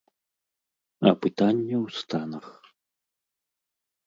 А пытанне ў станах.